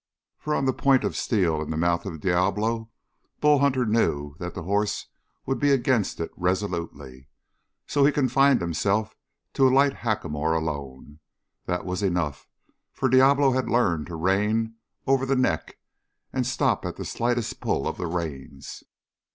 For on the point of steel in the mouth of Diablo, Bull Hunter knew that the horse would be against it resolutely. So he confined himself to a light hackamore alone. That was enough, for Diablo had learned to rein over the neck and stop at the slightest pull of the reins.